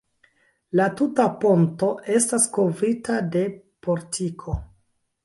La tuta ponto estas kovrita de portiko.